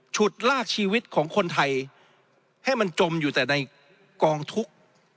ฉุดลากชีวิตของคนไทยให้มันจมอยู่แต่ในกองทุกข์